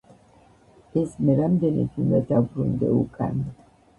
ეს მერამდენედ უნდა დავბრუნდე უკან